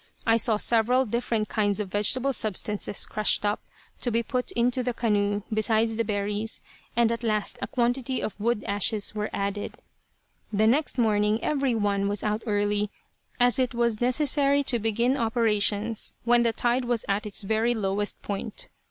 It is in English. I saw several different kinds of vegetable substances crushed up, to be put into the canoe, besides the berries; and at last a quantity of wood ashes were added. The next morning every one was out early, as it was necessary to begin operations when the tide was at its very lowest point.